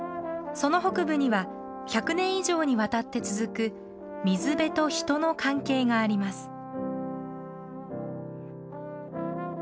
その北部には１００年以上にわたって続く水辺と人の関係があります。